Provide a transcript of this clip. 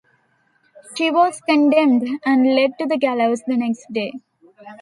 She was condemned and led to the gallows the next day.